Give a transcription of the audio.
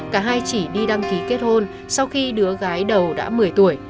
cả hai chỉ đi đăng ký kết hôn sau khi đứa gái đầu đã một mươi tuổi